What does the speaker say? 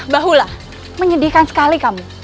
bahullah menyedihkan sekali kamu